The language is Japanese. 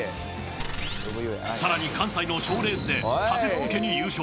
さらに関西の賞レースで立て続けに優勝。